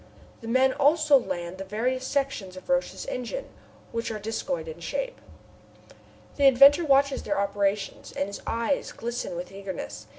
The men also land the various sections of Roch's engines which are discoid in shape. The inventor watches their operations, and his eyes glisten with eagerness.